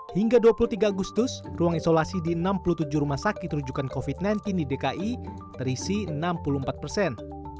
hingga dua puluh tiga agustus ruang isolasi di enam puluh tujuh rumah sakit rujukan covid sembilan belas di dki terisi enam puluh empat persen